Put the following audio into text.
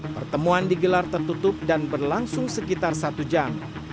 pertemuan digelar tertutup dan berlangsung sekitar satu jam